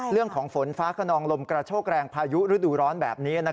ฝนฟ้าขนองลมกระโชกแรงพายุฤดูร้อนแบบนี้